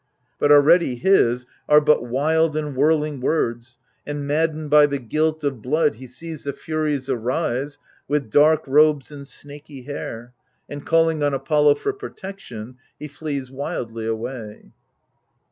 But already his " are but wild and whirling words "; and, maddened by the guilt of blood, he sees the Furies arise, with dark robes and snaky hair ; and, calling on Apollo for protection, he flees wildly away.